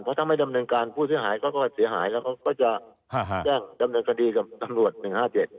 เพราะถ้าไม่ดำเนินการผู้เสียหายเขาก็เสียหายแล้วเขาก็จะแจ้งดำเนินคดีกับตำรวจ๑๕๗